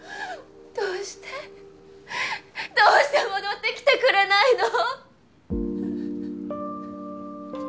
どうしてどうして戻ってきてくれないの？